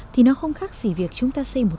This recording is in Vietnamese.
thì nó không khác gì việc chúng ta xây một